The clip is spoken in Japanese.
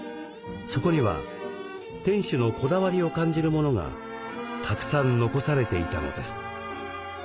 そこには店主のこだわりを感じるものがたくさん残されていたのです。